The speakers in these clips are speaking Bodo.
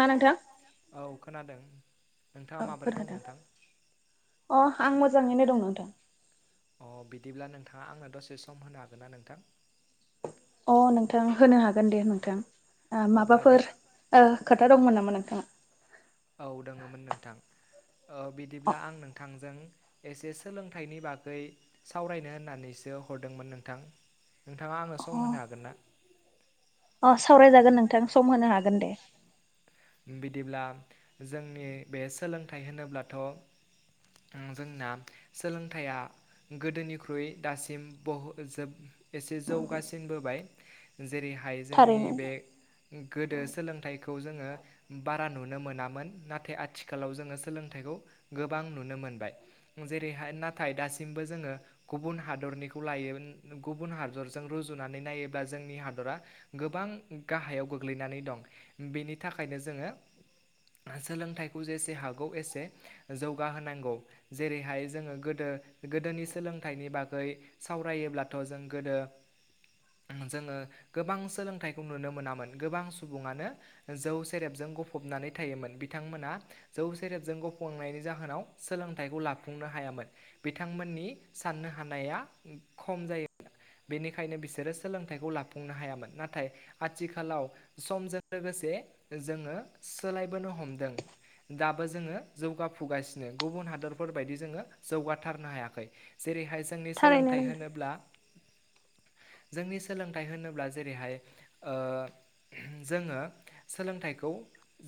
नोंथां खोनादों औ खोनादों अ आं मोजांङैनो दं नोंथां अ बिदिब्ला नोंथांङा आंनो दसे सम होनो हागोन ना नोंथां अ नोंथां होनो हागोन दे नोंथां माबाफोर खोथा दंमोन नामा नोंथांङा औ दंङमोन नोंथां बिदिब्ला आं नोंथांजों एसे सोलोंथाइनि बागै सावरायनो होननानैसो हरदोंमोन नोंथां नोंथांङा आंनो सम होनो हागोन ना अ सावरायजागोन नोंथां सम होनो हागोन दे बिदिब्ला जोंनि बे सोलोंथाइ होनोब्लाथ' जोंना सोलोंथाइया गोदोनिख्रुइ दासिम बहु जोब एसे जौगासिनबोबाय जेरैहाय जोंनि बे गोदो सोलोंथाइखौ जोंङो बारा नुनो मोनामोन नाथाय आथिखालाव जोंङो सोलोंथाइखौ गोबां नुनो मोनो जेरैहाय नाथाय दासिमबो जोंङो गुबुन हादरनिखौ लायो गुबुन हादरजों रुजुनानै नायोब्ला जों जोंनि हादरा गोबां गाहायाव गोग्लैनानै दं बेनि थाखायनो जोंङो सोलोंथाइखौ जेसे हागौ एसे जौगाहोनांगौ जेरैहाय जोंङो गोदो गोदोनि सोलोंथाइनि बागै सावरायोब्लाथ' जों गोदो जोंङो गोबां सोलोंथाइखौ नुनो मोनामोन गोबां सुबुंङानो जौसे सेरेबजों गफबनानै थायोमोन बिथांमोना जौ सेरेबजों गफबनायनि जाहोनाव सोलोंथाइखौ ला साफुंनो हायामोन बिथांमोननि साननो हानाया खम जायो बेनिखायनो बिसोरो सोलोंथाइखौ लाफुंनो हायामोन नाथाय आथिखालाव समजों लोगोसे जोंङो सोलायबोनो हमदों दाबो जोंङो जौगाफुगासिनो गुबुन हादरफोरबायायदि जोंङो जौगाथारनो हायाखै जेरैहाय जोंनि सोलोंथाइ होनोब्ला जोंनि सोलोंथाइ होनोब्ला जेरैहाय जोंङो सोलोंथाइखौ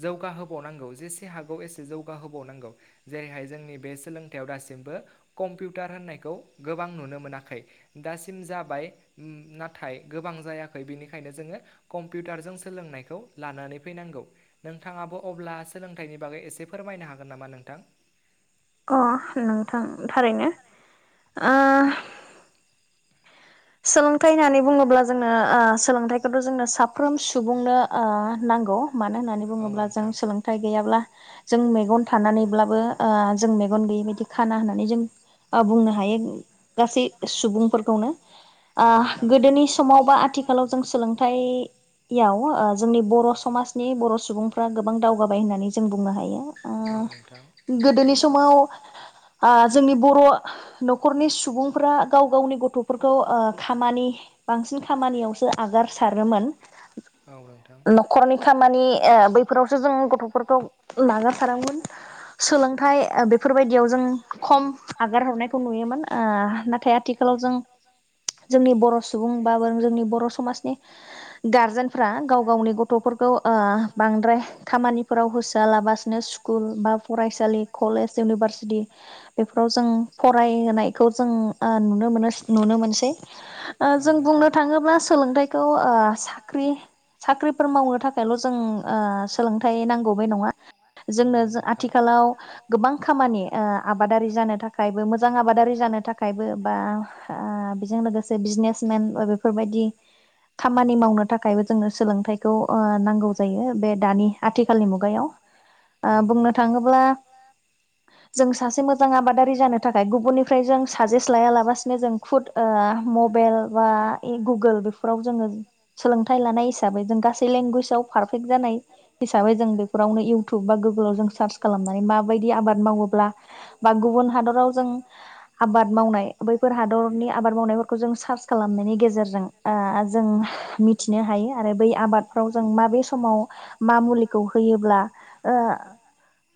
जौगाहोबावनांगौ जेसे हागौ एसे जौगाहोबावनांगौ जेरैहाय जोंनि बे सोलोंथाइयाव दासिमबो कम्पिउटार होननायखौ गोबां नुनो मोनाखै दासिम जाबाय नाथाय गोबां जायाखै बिनिखायनो जोंङो कम्पिउटारजों सोलोंनायखौ लानानै फैनांगौ नोंथांङाबो अब्ला सोलोंथाइनि बागै एसे फोरमायनो हागोन नामा नोंथां [unintelligible] अ नोंथां थारैनो अ सोलोंथाइ होननानै बुंङोब्ला जोंनो सोलोंथाइखौथ' जोंनो साफ्रोम सुबुंनो अ नांगौ मानो होननानै बुंङोब्ला जों सोलोंथाइ गैयाब्ला जों मेगन थानानैब्लाबो अ जों मेगन बेबायदि खाना होननानै जों बुंनो हायो गासै सुबुंफोरखौनो अ गोदोनि समाव बा आथिखालाव जों सोलोंथाइ याव जोंनि बर' समाजनि बर' सुबुंफ्रा गोबां दावगाबाय होननानै जों बुंनो हायो अ गोदोनि समाव अ जोंनि बर' न'खरनि सुबुंफ्रा गाव गावनि गथ' फोरखौ खामानि बांसिन खामानियावसो आगार सारोमोन न'खरनि खामानि अ बैफोरावसो जों गथ'फोरखौ नागार सारोमोन सोलोंथाइ बेफोरबायदियाव जों खम आगार हरनायखौ नुयोमोन नाथाय आथिखाल लाव जों जोंनि बर' सुबुं बाबो जोंनि बर' समाजनि गारजेनफ्रा गाव गावनि गथ'फोरखौ ओ बा बांद्राय खामानिफोराव होसोआलाबासिनो स्कुल बा फरायसालि कलेज इउनिभारसिट बिदि बेफोराव जों फरायहोनायखौ जों ओ नुनो मोनोस नुनो मोनसै ओ जों बुंनो थाङोब्ला सोलोंथाइखौ ओ साख्रि साख्रिफोर मावनो थाखायल' जों उम ओ सोलोंथाइ नांगौ बे नङा जोंनो जो आथिखालाव गोबां खामानि ओ आबादारि जानो थाखायबो मोजां आबादारि जानो थाखायबो बा ओ बा बेजों लोगोसे बिजनेसमेन ओ बेफोरबायदि खामानि मावनो थाखायबो जोंनो सोलोंथायखौ ओ नांगौ जायो। बे दानि आथिखालनि मुगायाव ओ बुंनो थाङोब्ला जों सासे मोजां आबादारि जानो थाखाय गुबुननिफ्राय जों साजेस्ट लाया लाबसिनो जों फुद ओ मबेल बा इ गुगोल बेफोराव जोङो सोलोंथाइ लानाय हिसाबै जों गासै लेंगुवेजाव पारफेक्ट जानाय हिसाबै जों बेफोरावनो इउटुब बा गुगोलाव जों सार्च खालामनानै माबायदि आबाद मावोब्ला बा गुबुन हादराव जों आबाद मावनाय बैफोर हाद दरनि आबाद मावनाय जों सार्च खालामनायनि गेजेरजों आ जों मिथिनो हायो आरो बै दि आबादफ्राव जों माबेे समाव मा मुलिखौ होयोब्ला ओ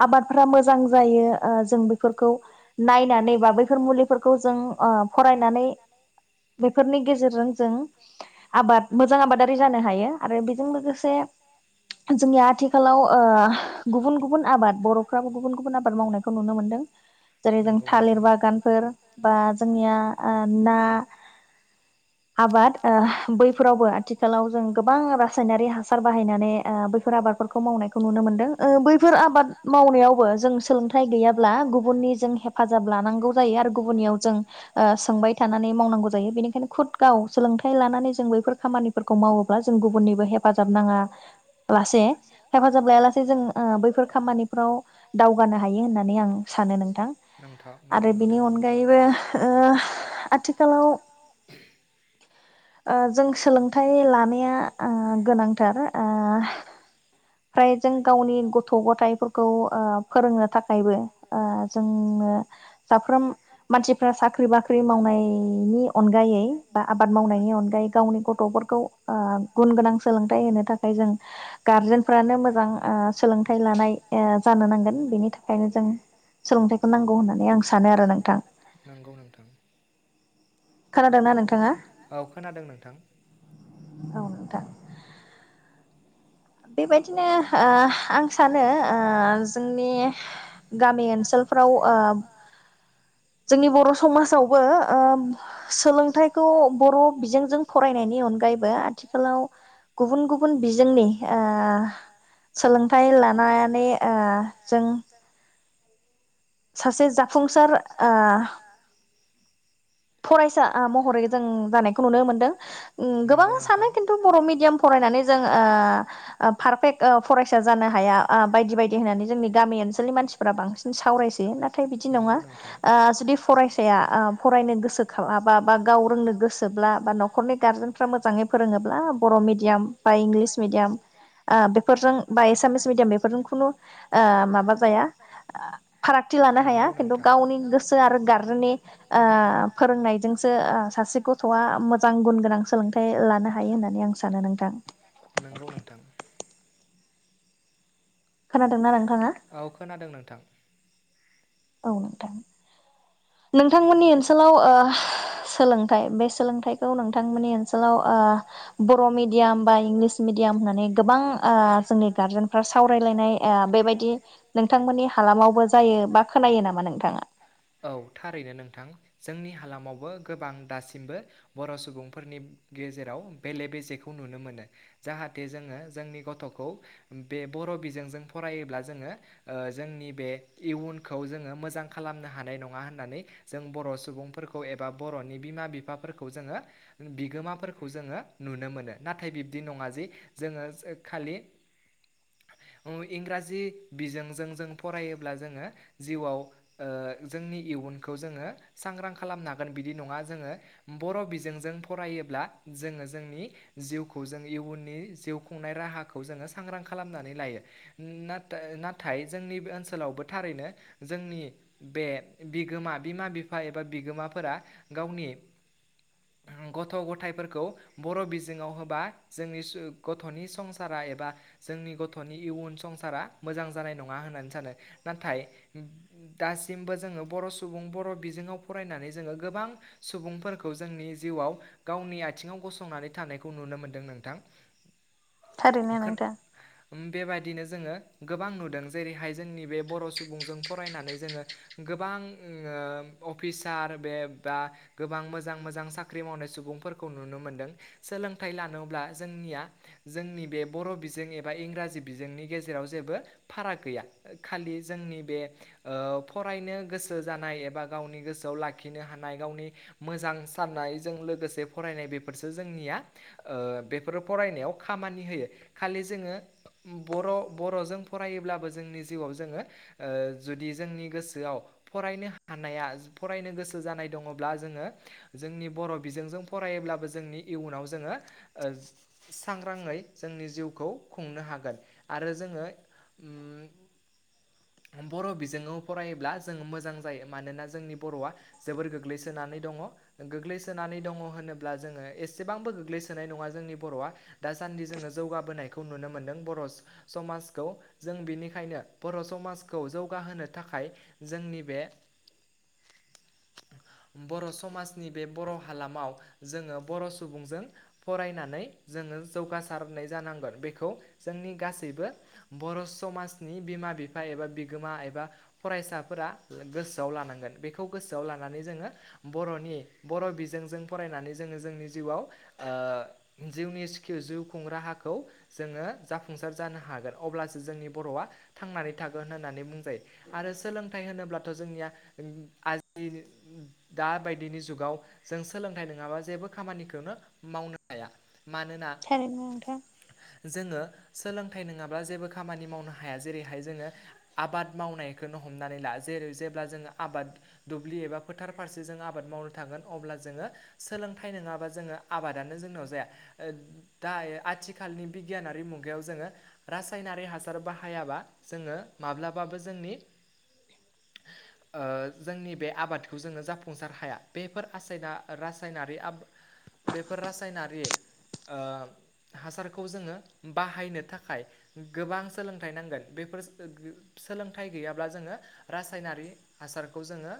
आबादफ्रा मोजां जायो ओ जों बेफोरखौ नायनानै बा बैफोर मुलिफोरखौ जों ओ फरायनानै बेफोरनि गेजेरजों जों आबाद मोजां आबादारि जानो हायो आरो बेजों लोगोसे [unintelligible] हो जोंनि आथिखालाव ओ गुबुन गुबुन आबाद बर'फ्राबो गुबुन गुबुन आबाद मावनायखौ नुनो मोनदों। जेरै जों थालिर बागानफोर बा जोंनिया ओ ना आबाद ओ बैफोरावबो आथिखालाव जों गोबां रासायनारि हासार बाहाय हैनानै ओ बैफोर आबादफोरखौ मावनायखौ नुनो मोनदों ओ बैफोर आबाद मावनायावबो जों सोलोंथाइ गैय गैयाब्ला गुबननि जों हेफाजाब लानांगौ जायो आरो गुबननिआव जों ओ ओ सोंबाय थानानै मावनांगौ जायो बेनिखायनो खुद गाव सोलोंथाइ लानानै जों बैफोर खामानिफोरखौ मावोब्ला जों गुबुननिबो हेफाजाब नाङा लासे हेफाजाब लाया लासे जों ओ बैफोर खामानिफ्राव दावगानो हायो होननानै आं स सानो नोंथां आरो बिनि अनगायैबो ओ आथिखालाव ओ जों सोलोंथाइ लानाया ओ गोनांथार ओ फ्राय जों गावनि गथ' गथायफोरखौ ओ फोरोंनो थाखायबो ओ जोंनो साफ्रोम मानसिफो रा साख्रि बाख्रि मावनायनि अनगायै बा आबाद मावनायनि अनगाय यै गावनि गथ'फोरखौ ओ गुन गोनां सोलोंथाइ होनो थाखाय जों गारजेनफ्रानो मोजां ओ सोलोंथाइ लानाय ओ जानो नांगोन बिनि थाखायनो जों सोलोंथाइखौ नांगौ होननानै आं सानो आरो नोंथां। [unintelligible] खोनादोंना नोंथाङा? खोनादों नोंथां। बेबायदिनो ओ आं सानो ओ जोंनि गामि ओनसोलफोर फोराव ओ जोंनि बर' समाजावबो ओ सोलोंथाइखौ बर' बिजोंजों फरायनायनि नि अनगायैबो आथिखालाव गुबुन गुबुन बिजोंनि ओ सोलोंथाइ लानानै ओ जों सासे जाफुंसार ओ फरायसा आ महरै जों जानायखौ नुनो मोनदों उम गोबां सानो खिन्थु बर' मिडियाम फराय नानै जों ओ ओब पारफेक्ट ओ फरायसा जानो हाया आ बायदि बायदि होननानै जोंनि गामि ओनसोलनि मानसिफोरा बांसिन सावरायसोयो। नाथाय बिदि नङा ओ जुदि फरायसाया फरायनो गोसो [unintelligible] गाव रोंनो गोसोब्ला बा न'खरनि गारजेनफ्रा मोजाङै फोरोङोब्ला बर' मिडियाम [unintelligible] ओ बेफोरजों बा एसामिस मिडियाम बेफोरजों खुनु माबा जाया फारागथि हाया खिन्थु गावनि गोसो आरो गारजेननि ओ फोरोंनायजोंसो सासे गथ'आ मोजां गुन गोनां सोलोंथाइ लानो हायो होननानै आं सानो नोंथां। नंगौ नोंथां। औ खोनादों नोंथां। औ नोंथां। नोंथांमोननि ओनसोलाव ओ सोलोंथाइ बे सोलोंथाइखौ नोंथांमोननि ओनसोलाव ओ बर' मिडियाम बा इंलिस मिडियाम होननानै गोबां ओ जोंनि गारजेनफ्रा सावरायलायनाय बा बेबायदि नोंथांमोननि हालामावबो जायो बा खोनायो नामा नोंथाङा? ओ नोंथां जोंनि हालामावबो गोबां दासिमबो बर' सुबुंफोरनि गेजेराव बेले बेजेखौ नुनो मोनो जाहाथे जोङो जोंनि गथ'खौ बे बर' बिजोंजों फरायोब्ला जोङो ओ जोंनि बे इयुनखौ जोङो मोजां खालामनो हानाय नङा होननानै। जों बर' सुबुंफोरखौ एबा बर'नि बिमा बिफाफोरखौ जोङो बिगोमाफोरखौ जोङो नुनो मोनो नाथाय बिब्दि नङा जे जोङो खालि इंराजि बिजोंजों जों फरायोब्ला जोङो जिउआव ओ जोंनि इयुन खौ जोङो सांग्रां खालामनो हागोन बिदि नङा जोङो बर' बिजोंजों फरायोब्ला जोङो जोंनि जिउखौ जों इयुननि जिउ खुंनाय राहाखौ जोङो सांग्रां खालामनानै लायो। नाथाय नाथाय जोंनि बे ओनसोलावबो थारैनो जोंनि बे बिगोमा बिमा बिफा एबा बिगोमाफोरा गावनि गथ' गथायाइफोरखौ बर' बिजोङाव होबा जोंनि गथ'नि संसारा एबा जोंनि गथ'नि इयुन संसारा मोजां जानाय नङा होननानै सानो नाथाय दासिमबो जोङो बर' सुबुं बर' बिजोङाव फरायनानै जोङो गोबां सुबुंफोरखौ जोंनि जिउआव गावनि आथिङाव गंसंनानै थानायखौ नुनो मोनदों नोंथां। थारैनो नोंथां। बेबायदिनो जोङो गोबां नुदों जेरैहाय जोंनि बे बर' सुबुंजों फरायनानै जोङो गोबां ओ अफिसार बे एबा गोबां मोजां मोजां साख्रि मावनाय सुबुंफोरखौ नुनो मोनदों। सोलोंथाइ लानोब्ला जोंनिया जोंनि बे बर' बिजों एबा इंराजि बिजोंनि गेजेराव जेरै बो फाराग गैया खालि जोंनि बे ओ फरायनो गोसो गोसो जानाय एबा गावनि गोसोआव लाखिनो हानाय गावनि मोजां साननायजों लोगोसे फरायनाय बेफोरसो जोंनिया ओ बेफोरो फरायनायाव खामानि होयो खालि जोङो बर' बर'जों फरायोब्लाबो जोंनि जिउआव जोङो ओ जुदि जोंनि गोसोआव फरायनो हानाया फरायनो गोसो जानाय दङब्ला जोङो जोंनि बर' बिजोंजों फराय अब्लाबो जोंनि इयुनाव जोङो सांग्राङै जोंनि जिउखौ खुंनो हागोन। आरो जोङो ओम बर' बिजोंआव फरायोब्ला जों मोजां जायो मानोना जोंनि बर'आ जोबोर गोग्लैसोनानै दङ गोग्लैसोनानै दङ होनोब्ला जोङो एसेबांबो गोग्लैसोनाय नङा जोंनि बर'आ दा दासान्दि जोङो जौगाबोनायखौ नुनो मोनदों बर' समाजखौ जों बिनिखायनो बर' समाजखौ जौगाहोनो थाखाय जोंनि बे बर' समाजनि बे बर' हालामाव जोङो बर' सुबुंजों फरायनानै जोङो जौगासारनाय जानांगोन बेखौ जोंनि गासैबो बर' समाजनि बिमा बिफा एबा बिगोमा एबा फरायसाफोरा गोसोआव लानांगोन बेखौ गोसोआव लानानै जोङो बर'नि बर' बिजोंजों फरायनानै जोङो जोंनि जिउआव ओ जिउनि स्किल जिउ खुं राहाखौ जोङो जाफुंसार जानो हागोन अब्लासो जोंनि बर'आ थांनानै थागोन होननानै बुंजायो आरो सोलोंथाइ होनोब्लाथ' जोंनिया आजि दा बायदिनि जुगाव जों सोलोंथाइ नङाबा जेबो खामानिखौनो मावनो हाया सारिनो ओंथां। जोङो सोलोंथाइ नङाब्ला जेबो खामानि मावनो हाया जेरैहाय जोङो। आबाद मावनायखौनो हमनानै ला जेरै जेब्ला जोङो आबाद दुब्लि एबा फोथार फारसे जों जों आबाद मावनो थागोन अब्ला जोङो सोलोंथाइ नोङाबा जोङो आबादानो जोंनाव जाया दायो आथिखालनि बिगियानारि मुगायाव जोङो रासायनारि हासार बाहायाबा जोङो माब्लाबाबो जोंनि ओ जोंनि बे आबादखौ जोङो जाफुंसार हाया बेफोर रासायनारि आाद बेफोर रासायनारि ओ हासारखौ जोङो बाहायनो थाखाय गोबां सोलोंथाइ नांगोन बेफोर सोलोंथाइ गैयाब्ला जोङो रासायनारि हासारखौ जोङो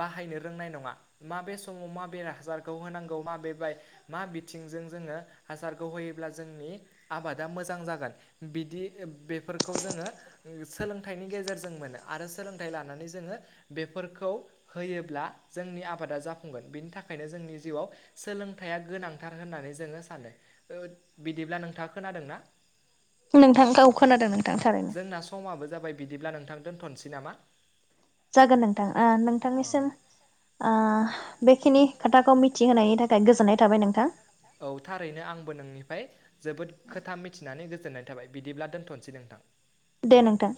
बाहायनो रों नङा माबे समाव माबे हाजारखौ होनांगौ माबे माबे मा बिथिंजों हासारखौ होयोब्ला जोंनि आबादा मोजां जागोन बिदि बेफोरखौ जोङो सोलोंथाइनि गेजेरजों मोनो आरो सोलोंथाइ लानानै जोङो बेफोरखौ होयोब्ला जोंनि आबादा जाफुंगोन बिनि थाखायनो जोंनि जिउआव सोलोंथाइया गोनांथार होननानै जोङो सानो। ओथ बिदिब्ला नोंथाङा खोनादोंना? नोंथां गाव खोनादों नोंथां थारैनो समाबो जाबाय बिदिब्ला नोंथां दोनथ'नोसै नामा? जागोन नोंथां आं नोंथांनिसिम आ बेखिनि औ थारैनो आंबो नोंनि फाय जोबोद खोथा मिथिनानै गोजोननाय थाबाय बिदिब्ला दोनथ'नोसै नोंथां। दे नोंथां।